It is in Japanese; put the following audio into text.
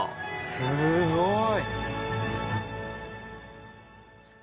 すごい！